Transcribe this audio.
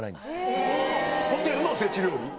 ホテルのおせち料理？